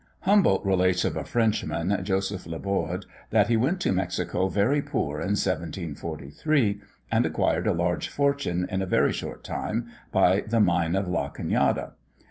Humboldt relates of a Frenchman, Joseph Laborde, that he went to Mexico very poor in 1743, and acquired a large fortune in a very short time by the mine of La Canada.